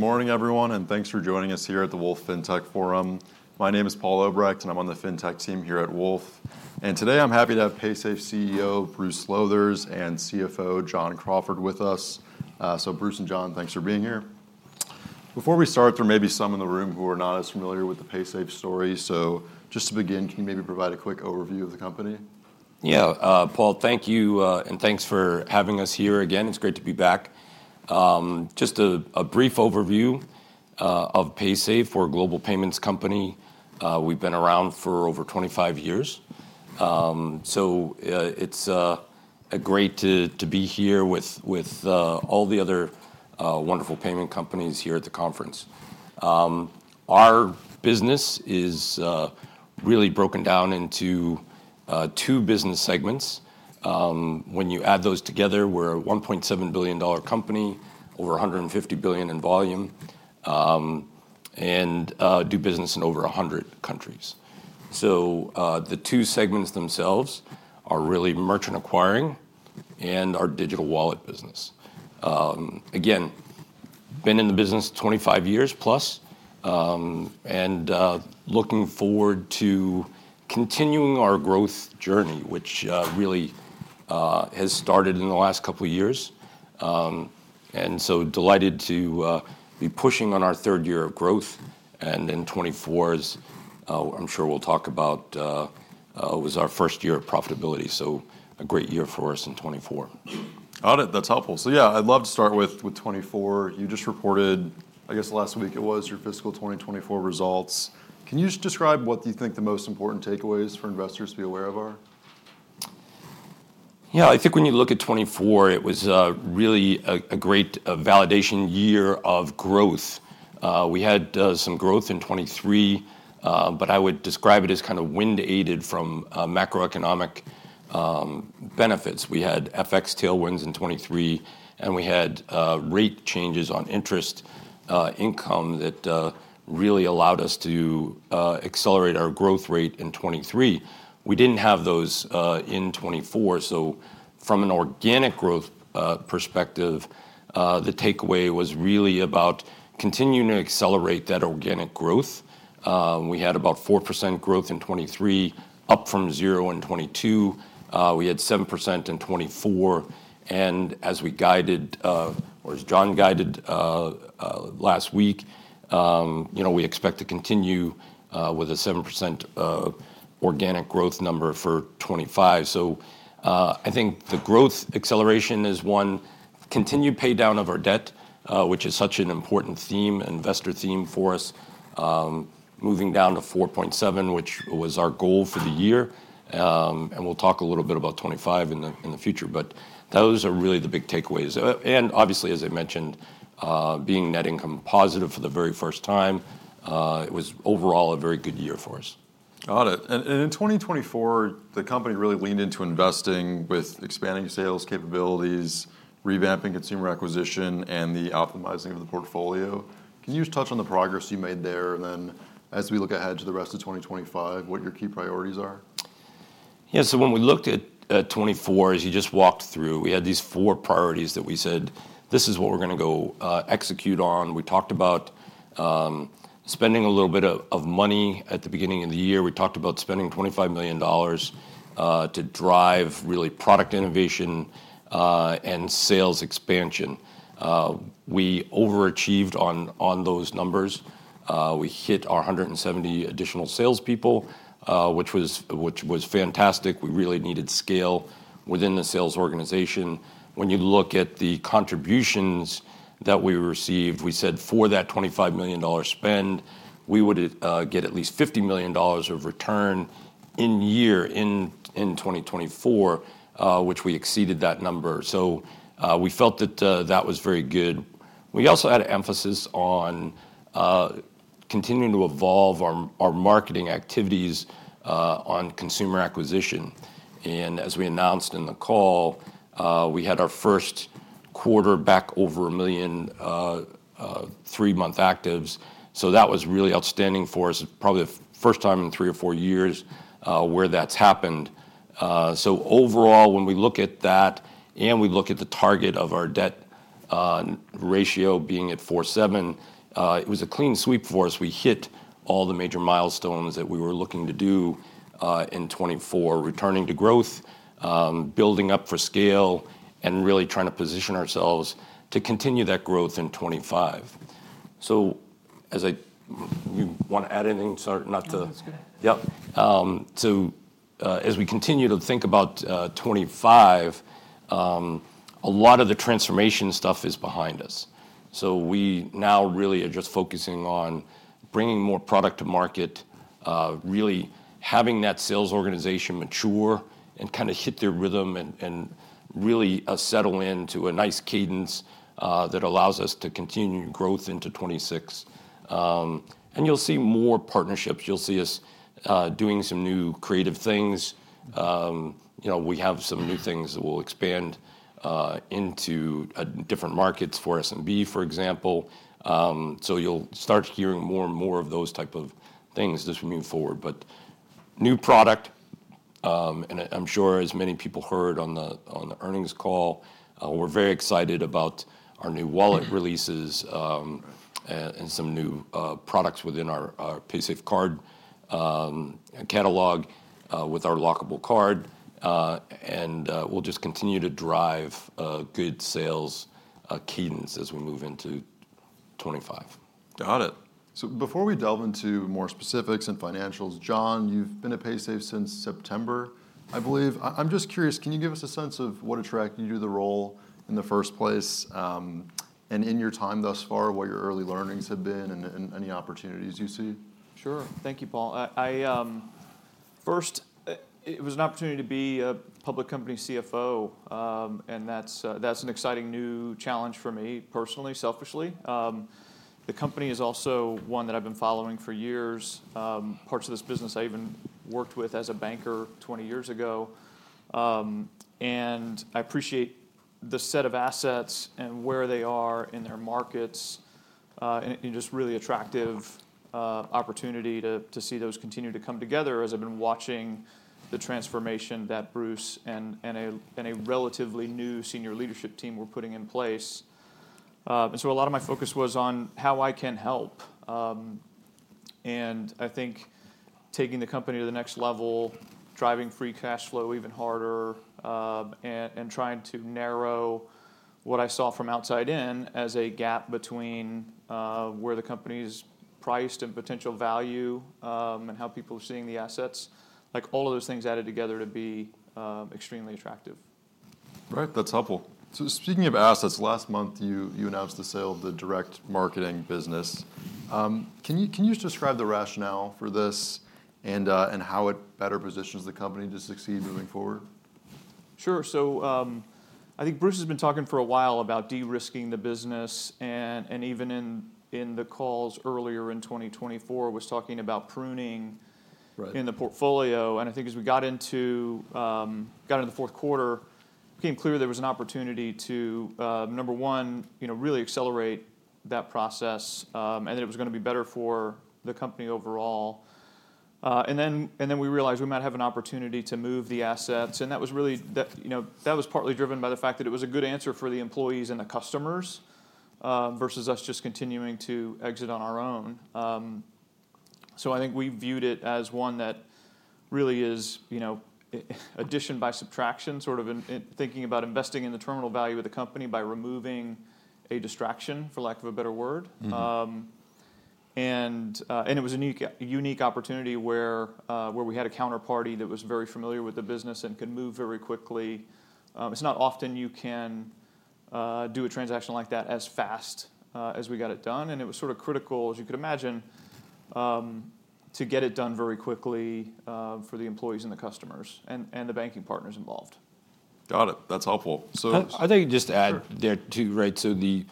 Morning, everyone, and thanks for joining us here at the Wolfe FinTech Forum. My name is Paul Obrecht, and I'm on the FinTech team here at Wolfe. Today I'm happy to have Paysafe CEO Bruce Lowthers and CFO John Crawford with us. Bruce and John, thanks for being here. Before we start, there may be some in the room who are not as familiar with the Paysafe story. Just to begin, can you maybe provide a quick overview of the company? Yeah, Paul, thank you, and thanks for having us here again. It's great to be back. Just a brief overview of Paysafe. We're a global payments company. We've been around for over 25 years. It's great to be here with all the other wonderful payment companies here at the conference. Our business is really broken down into two business segments. When you add those together, we're a $1.7 billion company, over $150 billion in volume, and do business in over 100 countries. The two segments themselves are really merchant acquiring and our digital wallet business. Again, been in the business 25 years plus, and looking forward to continuing our growth journey, which really has started in the last couple of years. Delighted to be pushing on our third year of growth. In 2024, I'm sure we'll talk about, it was our first year of profitability. A great year for us in 2024. Got it. That's helpful. Yeah, I'd love to start with 2024. You just reported last week it was, your fiscal 2024 results. Can you just describe what you think the most important takeaways for investors to be aware of are? Yeah, I think when you look at 2024, it was really a great validation year of growth. We had some growth in 2023, but I would describe it as kind of wind aided from macroeconomic benefits. We had FX tailwinds in 2023, and we had rate changes on interest income that really allowed us to accelerate our growth rate in 2023. We did not have those in 2024. From an organic growth perspective, the takeaway was really about continuing to accelerate that organic growth. We had about 4% growth in 2023, up from zero in 2022. We had 7% in 2024. As we guided, or as John guided last week, we expect to continue with a 7% organic growth number for 2025. I think the growth acceleration is one, continued pay down of our debt, which is such an important theme, investor theme for us, moving down to 4.7x which was our goal for the year. We will talk a little bit about 2025 in the future, but those are really the big takeaways. Obviously, as I mentioned, being net income positive for the very first time, it was overall a very good year for us. Got it. In 2024, the company really leaned into investing with expanding sales capabilities, revamping consumer acquisition, and the optimizing of the portfolio. Can you just touch on the progress you made there? As we look ahead to the rest of 2025, what your key priorities are? Yeah, so when we looked at 2024, as you just walked through, we had these four priorities that we said, this is what we're going to go execute on. We talked about spending a little bit of money at the beginning of the year. We talked about spending $25 million to drive really product innovation and sales expansion. We overachieved on those numbers. We hit our 170 additional salespeople, which was fantastic. We really needed scale within the sales organization. When you look at the contributions that we received, we said for that $25 million spend, we would get at least $50 million of return in year in 2024, which we exceeded that number. We felt that that was very good. We also had an emphasis on continuing to evolve our marketing activities on consumer acquisition. As we announced in the call, we had our first quarter back over a million three-month actives. That was really outstanding for us, probably the first time in three or four years where that's happened. Overall, when we look at that and we look at the target of our debt ratio being at 4.7x, it was a clean sweep for us. We hit all the major milestones that we were looking to do in 2024, returning to growth, building up for scale, and really trying to position ourselves to continue that growth in 2025. I want to add anything, sorry, not to. No, that's good. Yep. As we continue to think about 2025, a lot of the transformation stuff is behind us. We now really are just focusing on bringing more product to market, really having that sales organization mature and kind of hit their rhythm and really settle into a nice cadence that allows us to continue growth into 2026. You'll see more partnerships. You'll see us doing some new creative things. We have some new things that we'll expand into different markets for SMB, for example. You'll start hearing more and more of those types of things as we move forward, new product, and I'm sure as many people heard on the earnings call. We're very excited about our new wallet releases and some new products within our PaysafeCard and catalog with our lockable card. We will just continue to drive good sales cadence as we move into 2025. Got it. Before we delve into more specifics and financials, John, you've been at Paysafe since September, I believe. I'm just curious, can you give us a sense of what attracted you to the role in the first place? In your time thus far, what your early learnings have been and any opportunities you see? Sure. Thank you, Paul. First, it was an opportunity to be a public company CFO, and that's an exciting new challenge for me personally, selfishly. The company is also one that I've been following for years. Parts of this business I even worked with as a banker 20 years ago. I appreciate the set of assets and where they are in their markets and just really attractive opportunity to see those continue to come together as I've been watching the transformation that Bruce and a relatively new senior leadership team were putting in place. A lot of my focus was on how I can help. I think taking the company to the next level, driving free cash flow even harder, and trying to narrow what I saw from outside in as a gap between where the company is priced and potential value and how people are seeing the assets, like all of those things added together to be extremely attractive. Right. That's helpful. Speaking of assets, last month you announced the sale of the direct marketing business. Can you just describe the rationale for this and how it better positions the company to succeed moving forward? Sure. I think Bruce has been talking for a while about de-risking the business. Even in the calls earlier in 2024, he was talking about pruning in the portfolio. I think as we got into the fourth quarter, it became clear there was an opportunity to, number one, really accelerate that process and that it was going to be better for the company overall. We realized we might have an opportunity to move the assets. That was really, that was partly driven by the fact that it was a good answer for the employees and the customers versus us just continuing to exit on our own. I think we viewed it as one that really is addition by subtraction, sort of thinking about investing in the terminal value of the company by removing a distraction, for lack of a better word. It was a unique opportunity where we had a counterparty that was very familiar with the business and could move very quickly. It's not often you can do a transaction like that as fast as we got it done. It was sort of critical, as you could imagine, to get it done very quickly for the employees and the customers and the banking partners involved. Got it. That's helpful. I think just to add there too, right, as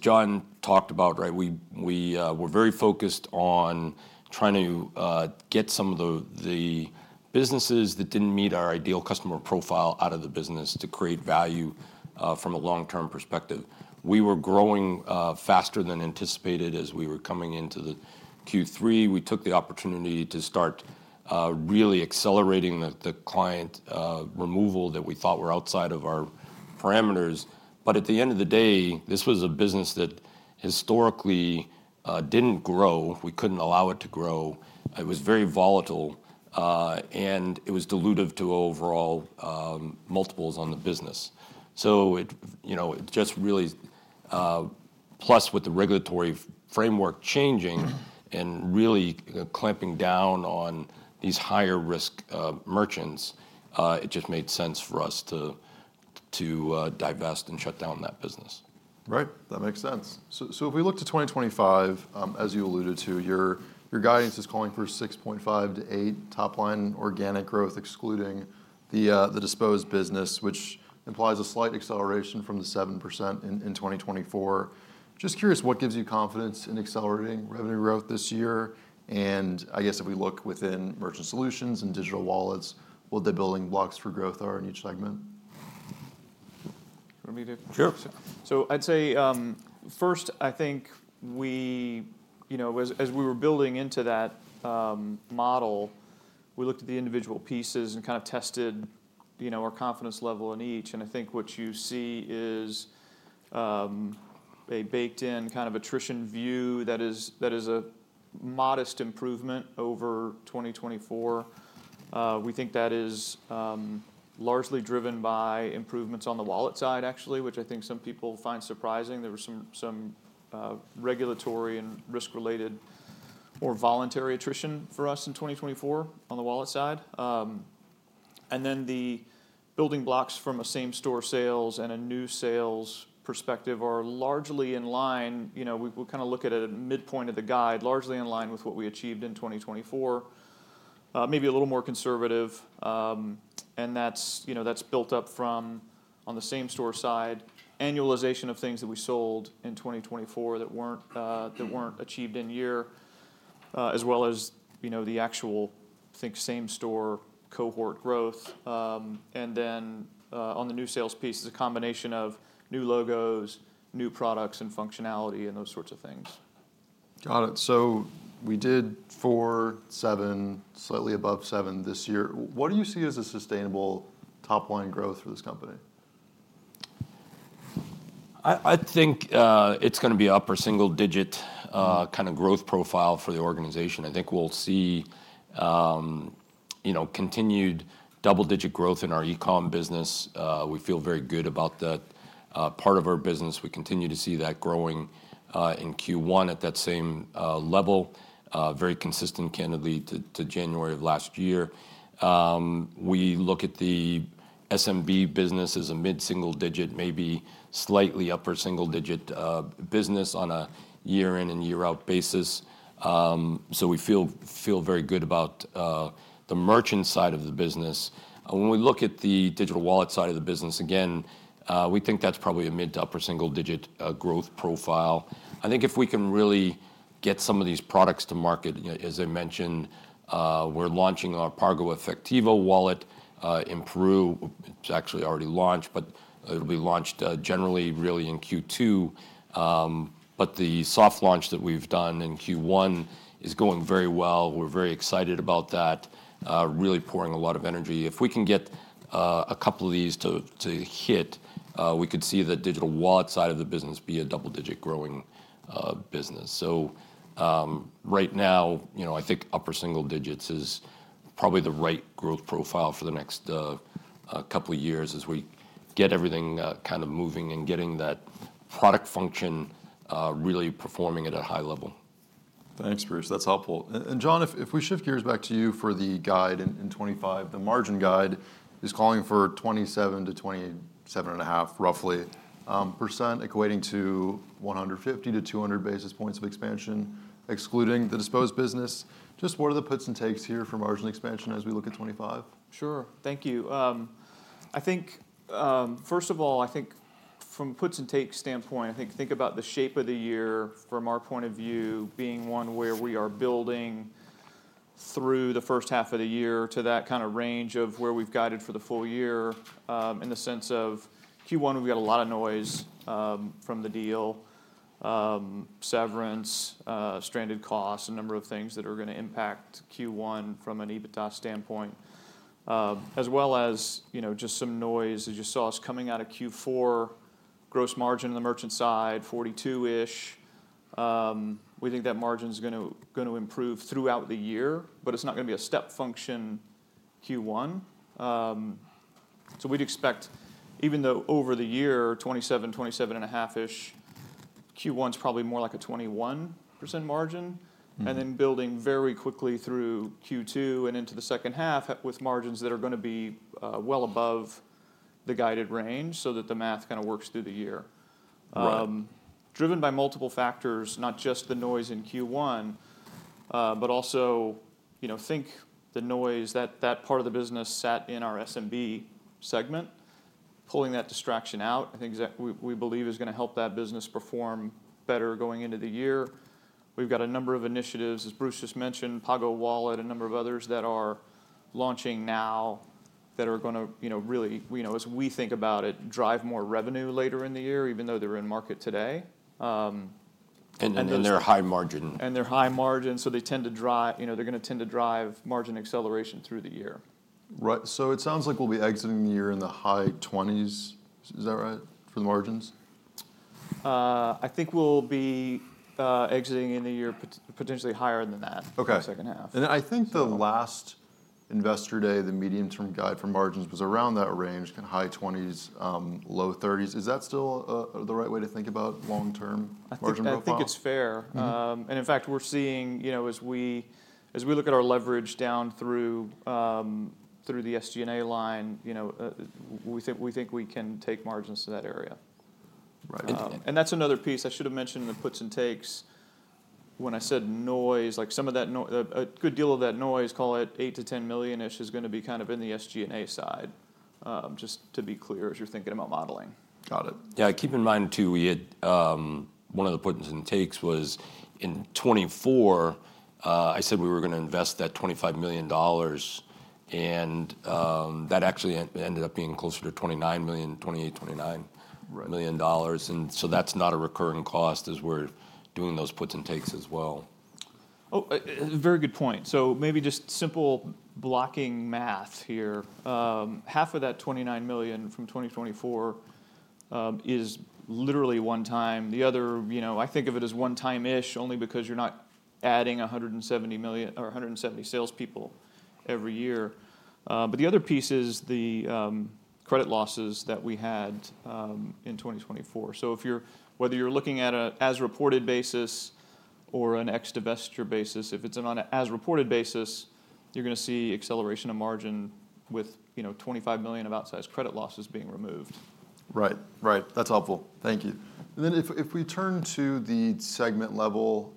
John talked about, we were very focused on trying to get some of the businesses that did not meet our ideal customer profile out of the business to create value from a long-term perspective. We were growing faster than anticipated as we were coming into the Q3. We took the opportunity to start really accelerating the client removal that we thought were outside of our parameters. At the end of the day, this was a business that historically did not grow. We could not allow it to grow. It was very volatile and it was dilutive to overall multiples on the business. It just really, plus with the regulatory framework changing and really clamping down on these higher risk merchants, it just made sense for us to divest and shut down that business. Right. That makes sense. If we look to 2025, as you alluded to, your guidance is calling for 6.5% to 8% top line organic growth, excluding the disposed business, which implies a slight acceleration from the 7% in 2024. Just curious, what gives you confidence in accelerating revenue growth this year, if we look within merchant solutions and digital wallets, what the building blocks for growth are in each segment? Let me do it. Sure. I'd say first, I think as we were building into that model, we looked at the individual pieces and kind of tested our confidence level in each. I think what you see is a baked-in kind of attrition view that is a modest improvement over 2024. We think that is largely driven by improvements on the wallet side, actually, which I think some people find surprising. There were some regulatory and risk-related or voluntary attrition for us in 2024 on the wallet side. The building blocks from a same-store sales and a new sales perspective are largely in line. We kind of look at it at midpoint of the guide, largely in line with what we achieved in 2024, maybe a little more conservative. That's built up from, on the same-store side, annualization of things that we sold in 2024 that were not achieved in year, as well as the actual, I think, same-store cohort growth. On the new sales piece, it's a combination of new logos, new products, and functionality and those sorts of things. Got it. We did 4.7x, slightly above 7x this year. What do you see as a sustainable top-line growth for this company? I think it's going to be upper single-digit kind of growth profile for the organization. I think we'll see continued double-digit growth in our eComm business. We feel very good about that part of our business. We continue to see that growing in Q1 at that same level, very consistent candidly to January of last year. We look at the SMB business as a mid-single-digit, maybe slightly upper single-digit business on a year-in and year-out basis. We feel very good about the merchant side of the business. When we look at the digital wallet side of the business, again, we think that's probably a mid to upper single-digit growth profile. I think if we can really get some of these products to market, as I mentioned, we're launching our PagoEfectivo wallet in Peru. It's actually already launched, but it'll be launched generally really in Q2. The soft launch that we've done in Q1 is going very well. We're very excited about that, really pouring a lot of energy. If we can get a couple of these to hit, we could see the digital wallet side of the business be a double-digit growing business. Right now, I think upper single digits is probably the right growth profile for the next couple of years as we get everything kind of moving and getting that product function really performing at a high level. Thanks, Bruce. That's helpful. John, if we shift gears back to you for the guide in 2025, the margin guide is calling for 27% to 27.5%, roughly, equating to 150 basis points to 200 basis points of expansion, excluding the disposed business. Just what are the puts and takes here for margin expansion as we look at 2025? Sure. Thank you. I think first of all, from a puts and takes standpoint, think about the shape of the year from our point of view being one where we are building through the first half of the year to that kind of range of where we've guided for the full year in the sense of Q1, we've got a lot of noise from the deal, severance, stranded costs, a number of things that are going to impact Q1 from an EBITDA standpoint, as well as just some noise as you saw us coming out of Q4, gross margin on the merchant side, 42%-ish. We think that margin is going to improve throughout the year, but it's not going to be a step function Q1. We'd expect, even though over the year, 27%-27.5-ish %, Q1 is probably more like a 21% margin, and then building very quickly through Q2 and into the second half with margins that are going to be well above the guided range so that the math kind of works through the year. Driven by multiple factors, not just the noise in Q1, but also think the noise that part of the business sat in our SMB segment, pulling that distraction out, I think we believe is going to help that business perform better going into the year. We've got a number of initiatives, as Bruce just mentioned, Pago wallet, a number of others that are launching now that are going to really, as we think about it, drive more revenue later in the year, even though they're in market today. They're high margin. They're high margin, so they tend to drive, they're going to tend to drive margin acceleration through the year. Right. So it sounds like we'll be exiting the year in the high 20s. Is that right for the margins? I think we'll be exiting in the year potentially higher than that in the second half. Okay. I think the last investor day, the medium-term guide for margins was around that range, kind of high 20s, low 30s. Is that still the right way to think about long-term margin profile? I think it's fair. In fact, we're seeing as we look at our leverage down through the SG&A line, we think we can take margins to that area. That's another piece I should have mentioned in the puts and takes. When I said noise, like some of that, a good deal of that noise, call it $8 million to $10 million-ish, is going to be kind of in the SG&A side, just to be clear as you're thinking about modeling. Got it. Yeah. Keep in mind too, one of the puts and takes was in 2024, I said we were going to invest that $25 million, and that actually ended up being closer to $29 million, $28 million, $29 million. That is not a recurring cost as we are doing those puts and takes as well. Oh, very good point. Maybe just simple blocking math here. Half of that $29 million from 2024 is literally one time. The other, I think of it as one time-ish only because you're not adding 170 salespeople every year. The other piece is the credit losses that we had in 2024. Whether you're looking at an as-reported basis or an ex-divestiture basis, if it's on an as-reported basis, you're going to see acceleration of margin with $25 million of outsized credit losses being removed. Right. Right. That's helpful. Thank you. If we turn to the segment level,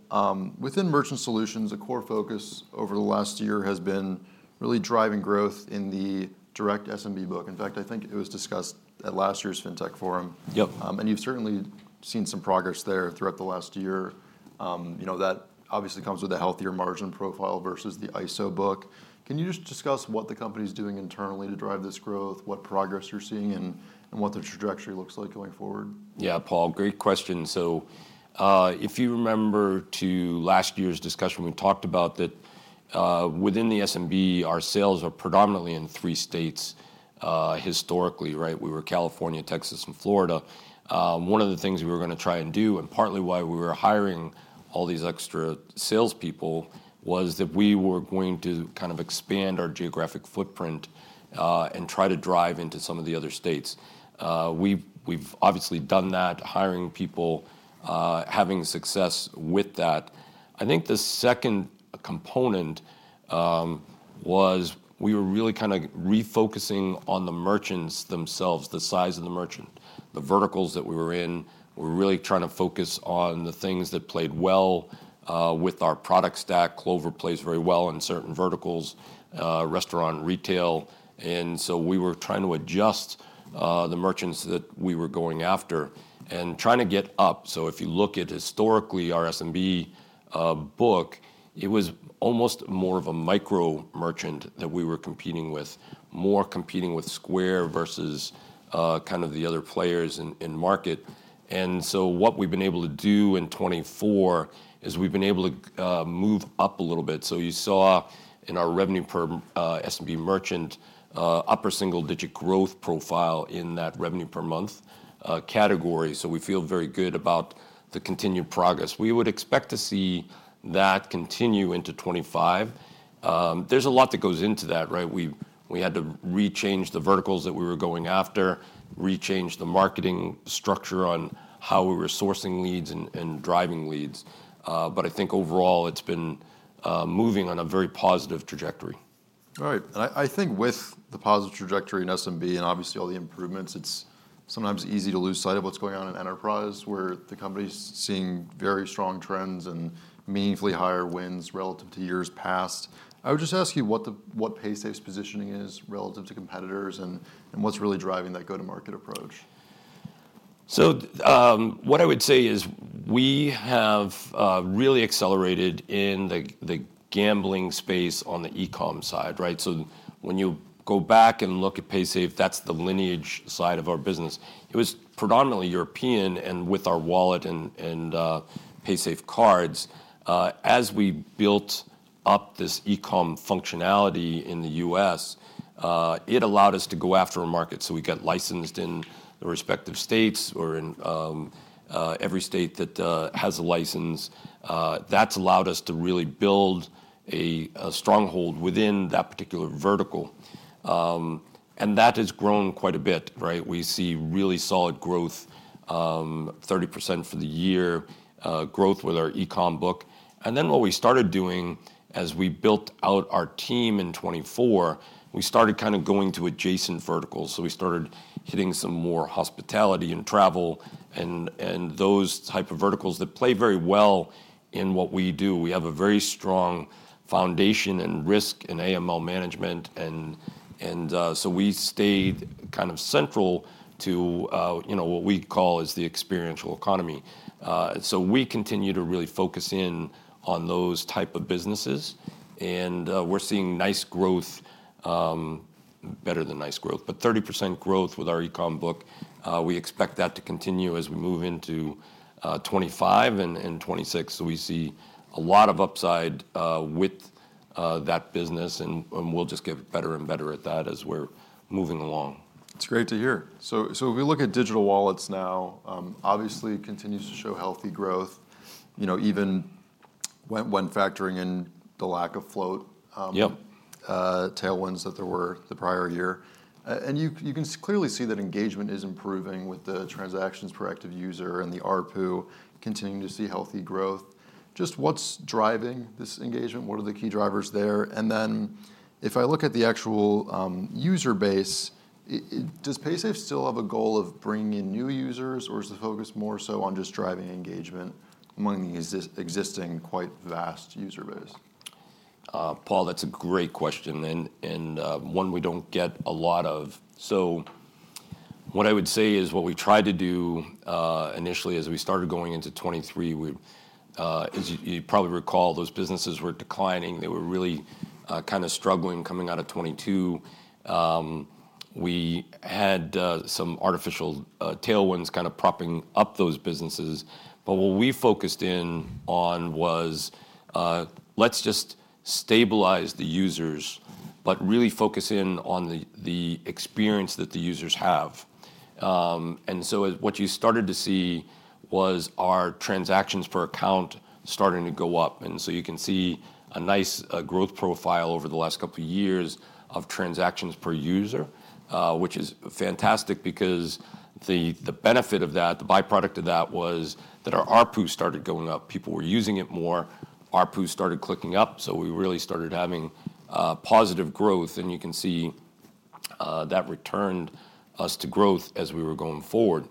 within merchant solutions, a core focus over the last year has been really driving growth in the direct SMB book. In fact, I think it was discussed at last year's FinTech Forum. You have certainly seen some progress there throughout the last year. That obviously comes with a healthier margin profile versus the ISO book. Can you just discuss what the company's doing internally to drive this growth, what progress you're seeing, and what the trajectory looks like going forward? Yeah, Paul, great question. If you remember to last year's discussion, we talked about that within the SMB, our sales are predominantly in three states historically, right? We were California, Texas, and Florida. One of the things we were going to try and do, and partly why we were hiring all these extra salespeople, was that we were going to kind of expand our geographic footprint and try to drive into some of the other states. We've obviously done that, hiring people, having success with that. I think the second component was we were really kind of refocusing on the merchants themselves, the size of the merchant, the verticals that we were in. We were really trying to focus on the things that played well with our product stack. Clover plays very well in certain verticals, restaurant and retail. We were trying to adjust the merchants that we were going after and trying to get up. If you look at historically our SMB book, it was almost more of a micro merchant that we were competing with, more competing with Square versus kind of the other players in market. What we have been able to do in 2024 is we have been able to move up a little bit. You saw in our revenue per SMB merchant, upper single-digit growth profile in that revenue per month category. We feel very good about the continued progress. We would expect to see that continue into 2025. There is a lot that goes into that, right? We had to rechange the verticals that we were going after, rechange the marketing structure on how we were sourcing leads and driving leads. I think overall, it's been moving on a very positive trajectory. All right. I think with the positive trajectory in SMB and obviously all the improvements, it's sometimes easy to lose sight of what's going on in enterprise, where the company's seeing very strong trends and meaningfully higher wins relative to years past. I would just ask you what Paysafe's positioning is relative to competitors and what's really driving that go-to-market approach. What I would say is we have really accelerated in the gambling space on the e-comm side, right? When you go back and look at Paysafe, that's the lineage side of our business. It was predominantly European and with our wallet and Paysafe Card. As we built up this eComm functionality in the U.S., it allowed us to go after a market. We got licensed in the respective states or in every state that has a license. That has allowed us to really build a stronghold within that particular vertical. That has grown quite a bit, right? We see really solid growth, 30% for the year growth with our eComm book. What we started doing as we built out our team in 2024, we started kind of going to adjacent verticals. We started hitting some more hospitality and travel and those type of verticals that play very well in what we do. We have a very strong foundation in risk and AML management. We stayed kind of central to what we call the experiential economy. We continue to really focus in on those type of businesses. We're seeing nice growth, better than nice growth, but 30% growth with our eComm book. We expect that to continue as we move into 2025 and 2026. We see a lot of upside with that business. We'll just get better and better at that as we're moving along. That's great to hear. If we look at digital wallets now, obviously it continues to show healthy growth, even when factoring in the lack of float tailwinds that there were the prior year. You can clearly see that engagement is improving with the transactions per active user and the ARPU continuing to see healthy growth. Just what's driving this engagement? What are the key drivers there? If I look at the actual user base, does Paysafe still have a goal of bringing in new users, or is the focus more so on just driving engagement among the existing quite vast user base? Paul, that's a great question and one we don't get a lot of. What I would say is what we tried to do initially as we started going into 2023, as you probably recall, those businesses were declining. They were really kind of struggling coming out of 2022. We had some artificial tailwinds kind of propping up those businesses. What we focused in on was let's just stabilize the users, but really focus in on the experience that the users have. You started to see our transactions per account starting to go up. You can see a nice growth profile over the last couple of years of transactions per user, which is fantastic because the benefit of that, the byproduct of that was that our ARPU started going up. People were using it more. ARPU started clicking up. We really started having positive growth. You can see that returned us to growth as we were going forward.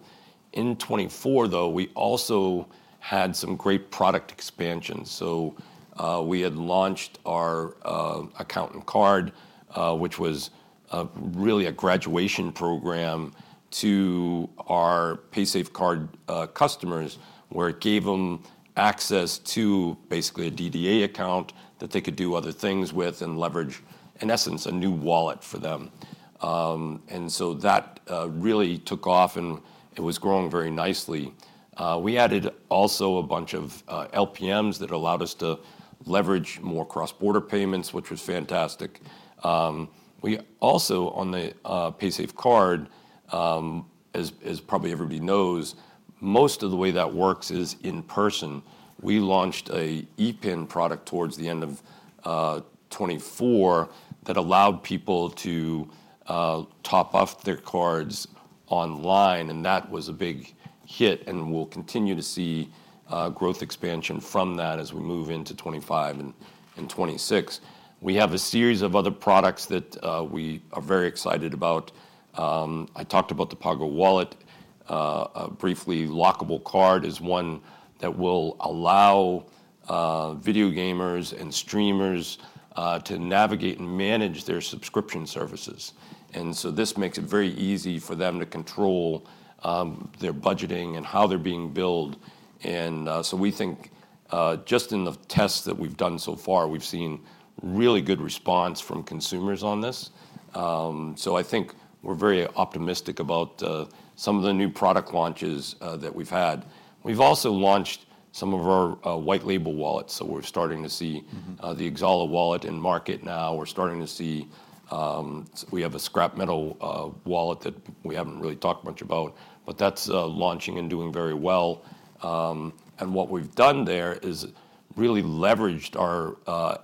In 2024, though, we also had some great product expansion. We had launched our Account & Card, which was really a graduation program to our Paysafe Card customers, where it gave them access to basically a DDA account that they could do other things with and leverage, in essence, a new wallet for them. That really took off and it was growing very nicely. We added also a bunch of LPMs that allowed us to leverage more cross-border payments, which was fantastic. We also, on the PaysafeCard, as probably everybody knows, most of the way that works is in person. We launched an ePIN product towards the end of 2024 that allowed people to top up their cards online. That was a big hit and we'll continue to see growth expansion from that as we move into 2025 and 2026. We have a series of other products that we are very excited about. I talked about the PagoEfectivo wallet. Briefly, lockable card is one that will allow video gamers and streamers to navigate and manage their subscription services. This makes it very easy for them to control their budgeting and how they're being billed. We think just in the tests that we've done so far, we've seen really good response from consumers on this. I think we're very optimistic about some of the new product launches that we've had. We've also launched some of our white label wallets. We're starting to see the Xsolla Wallet in market now. We're starting to see we have a scrap metal wallet that we haven't really talked much about, but that's launching and doing very well. What we've done there is really leveraged our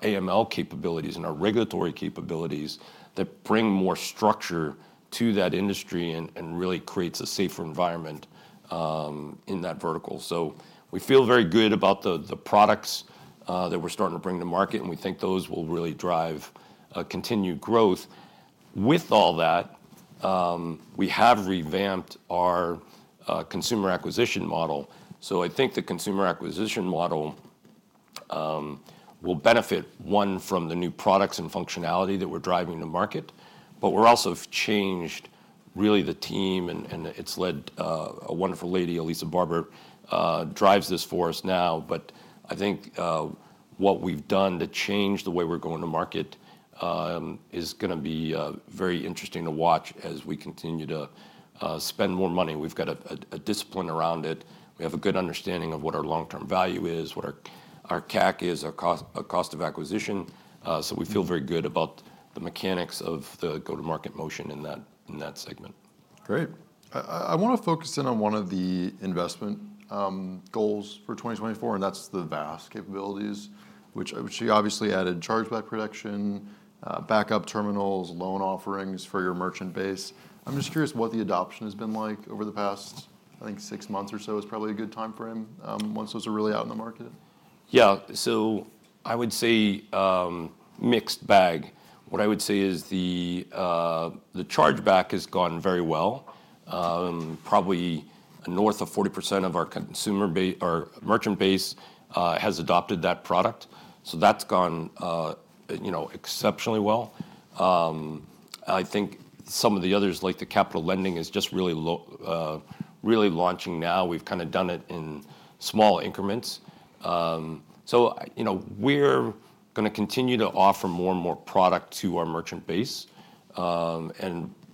AML capabilities and our regulatory capabilities that bring more structure to that industry and really creates a safer environment in that vertical. We feel very good about the products that we're starting to bring to market, and we think those will really drive continued growth. With all that, we have revamped our consumer acquisition model. I think the consumer acquisition model will benefit, one, from the new products and functionality that we're driving to market. We're also changed really the team, and it's led a wonderful lady, Alisa Barber, drives this for us now. I think what we've done to change the way we're going to market is going to be very interesting to watch as we continue to spend more money. We've got a discipline around it. We have a good understanding of what our long-term value is, what our CAC is, our cost of acquisition. We feel very good about the mechanics of the go-to-market motion in that segment. Great. I want to focus in on one of the investment goals for 2024, and that's the vast capabilities, which you obviously added chargeback production, backup terminals, loan offerings for your merchant base. I'm just curious what the adoption has been like over the past, I think, six months or so is probably a good time frame once those are really out in the market. Yeah. I would say mixed bag. What I would say is the chargeback has gone very well. Probably north of 40% of our consumer base or merchant base has adopted that product. That's gone exceptionally well. I think some of the others, like the capital lending, is just really launching now. We've kind of done it in small increments. We're going to continue to offer more and more product to our merchant base.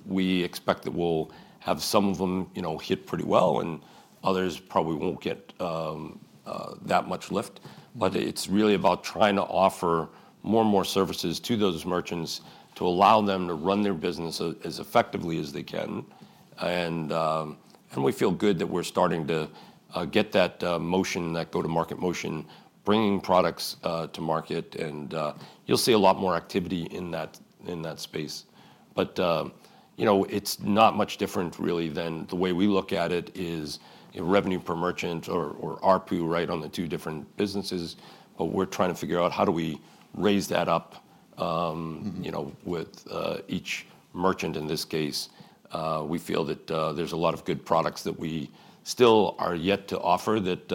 We expect that we'll have some of them hit pretty well and others probably won't get that much lift. It's really about trying to offer more and more services to those merchants to allow them to run their business as effectively as they can. We feel good that we're starting to get that motion, that go-to-market motion, bringing products to market. You'll see a lot more activity in that space. It is not much different really than the way we look at it is revenue per merchant or ARPU, right, on the two different businesses. We are trying to figure out how do we raise that up with each merchant in this case. We feel that there are a lot of good products that we still are yet to offer that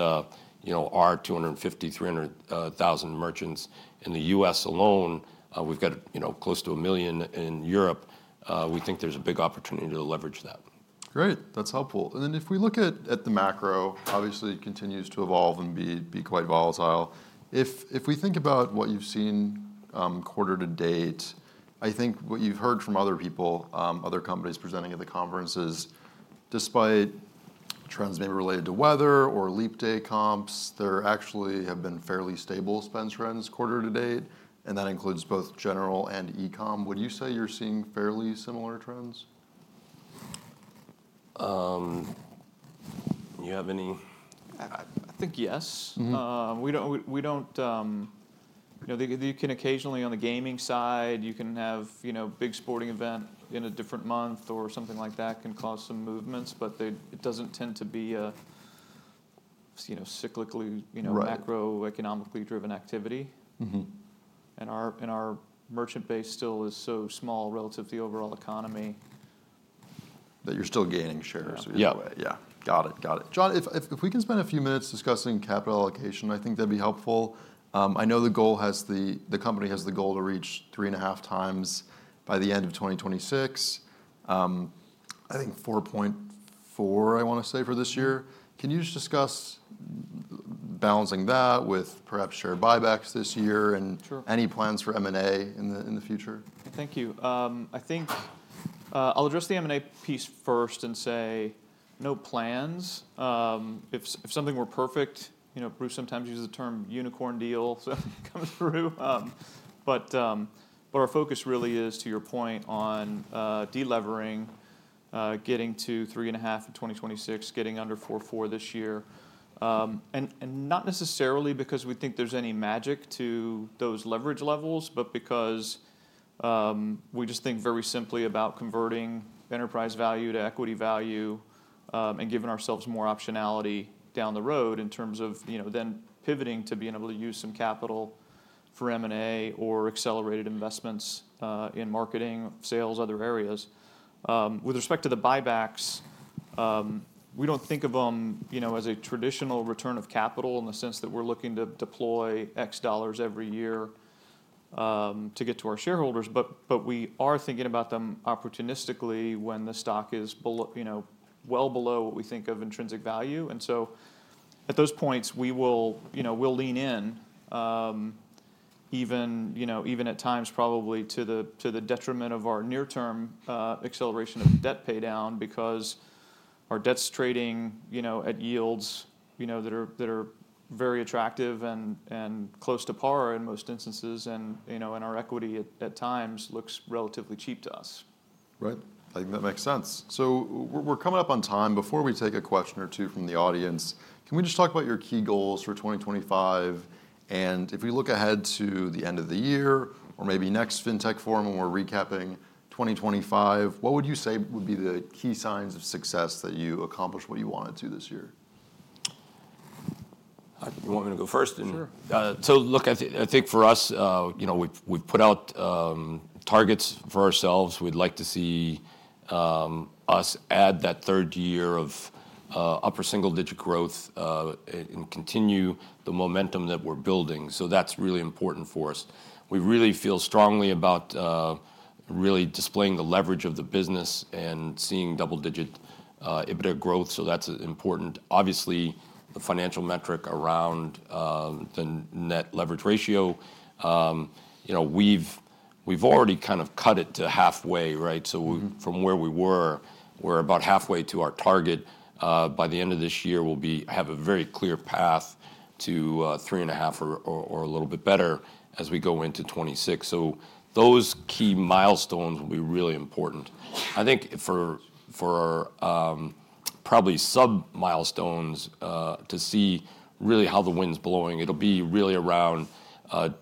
our 250,000 merchants to 300,000 merchants in the U.S. alone, we have close to 1 million merchants in Europe. We think there is a big opportunity to leverage that. Great. That's helpful. If we look at the macro, obviously it continues to evolve and be quite volatile. If we think about what you've seen quarter to date, I think what you've heard from other people, other companies presenting at the conferences, despite trends maybe related to weather or leap day comps, there actually have been fairly stable spend trends quarter to date. That includes both general and eComm. Would you say you're seeing fairly similar trends? Do you have any? I think yes. You can occasionally on the gaming side, you can have a big sporting event in a different month or something like that can cause some movements, but it does not tend to be a cyclically macroeconomically driven activity. Our merchant base still is so small relative to the overall economy. That you're still gaining shares this way. Yeah. Yeah. Got it. Got it. John, if we can spend a few minutes discussing capital allocation, I think that'd be helpful. I know the company has the goal to reach 3.5x by the end of 2026, I think 4.4x, I want to say, for this year. Can you just discuss balancing that with perhaps share buybacks this year and any plans for M&A in the future? Thank you. I think I'll address the M&A piece first and say no plans. If something were perfect, Bruce sometimes uses the term unicorn deal so it comes through. Our focus really is, to your point, on de-levering, getting to 3.5x in 2026, getting under 4.4x this year. Not necessarily because we think there's any magic to those leverage levels, but because we just think very simply about converting enterprise value to equity value and giving ourselves more optionality down the road in terms of then pivoting to being able to use some capital for M&A or accelerated investments in marketing, sales, or other areas. With respect to the buybacks, we don't think of them as a traditional return of capital in the sense that we're looking to deploy X dollars every year to get to our shareholders. We are thinking about them opportunistically when the stock is well below what we think of intrinsic value. At those points, we'll lean in even at times probably to the detriment of our near-term acceleration of debt pay down because our debt is trading at yields that are very attractive and close to par in most instances and our equity at times looks relatively cheap to us. Right. I think that makes sense. We're coming up on time. Before we take a question or two from the audience, can we just talk about your key goals for 2025? If we look ahead to the end of the year or maybe next FinTech Forum when we're recapping 2025, what would you say would be the key signs of success that you accomplished what you wanted to this year? You want me to go first? Sure. I think for us, we've put out targets for ourselves. We'd like to see us add that third year of upper single-digit growth and continue the momentum that we're building. That's really important for us. We really feel strongly about really displaying the leverage of the business and seeing double-digit EBITDA growth. That's important. Obviously, the financial metric around the net leverage ratio, we've already kind of cut it to halfway, right? From where we were, we're about halfway to our target. By the end of this year, we'll have a very clear path to three and a half or a little bit better as we go into 2026. Those key milestones will be really important. I think for probably sub-milestones to see really how the wind's blowing, it'll be really around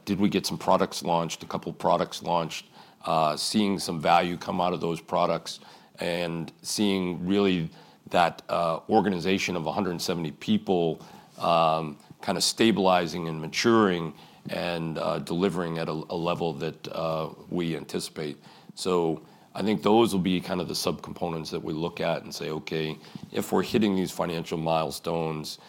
did we get some products launched, a couple of products launched, seeing some value come out of those products and seeing really that organization of 170 people kind of stabilizing and maturing and delivering at a level that we anticipate. I think those will be kind of the sub-components that we look at and say, okay, if we're hitting these financial milestones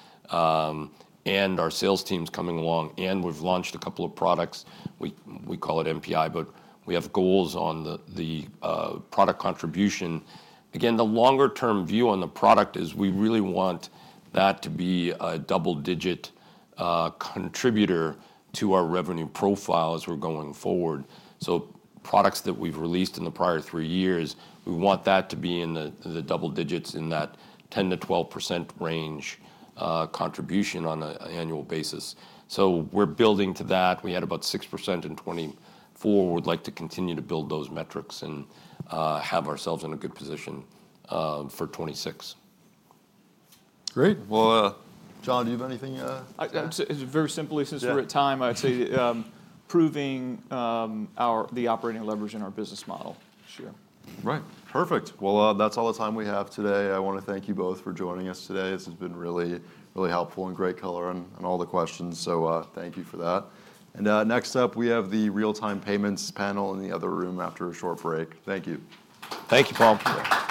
and our sales team's coming along and we've launched a couple of products. We call it NPi, but we have goals on the product contribution. Again, the longer-term view on the product is we really want that to be a double-digit contributor to our revenue profile as we're going forward. Products that we've released in the prior three years, we want that to be in the double digits in that 10% to 12% range contribution on an annual basis. We're building to that. We had about 6% in 2024. We'd like to continue to build those metrics and have ourselves in a good position for 2026. Great. John, do you have anything? It's very simply, since we're at time, I'd say proving the operating leverage in our business model this year. Right. Perfect. That is all the time we have today. I want to thank you both for joining us today. This has been really, really helpful and great color on all the questions. Thank you for that. Next up, we have the real-time payments panel in the other room after a short break. Thank you. Thank you, Paul.